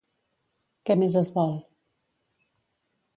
Què més es vol?